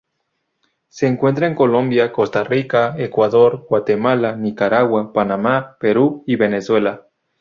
Se encuentran en Colombia, Costa Rica, Ecuador, Guatemala, Nicaragua, Panamá, Perú, y Venezuela.